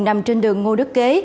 nằm trên đường ngô đức kế